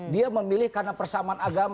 dia memilih karena persamaan agama